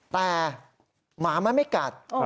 แต่หมามันไม่กัด